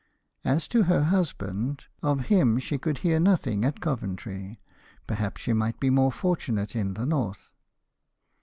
As to her husband, of him she could hear nothing at Coventry; perhaps she might be more fortunate in the north.